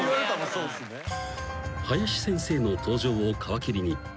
［林先生の登場を皮切りに］